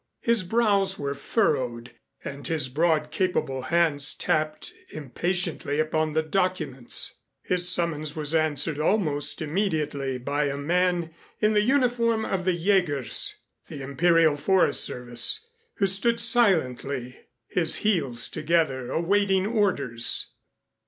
His brows were furrowed and his broad capable hands tapped impatiently among the documents. His summons was answered almost immediately by a man in the uniform of the Jägers, the Imperial Forest Service, who stood silently his heels together awaiting orders.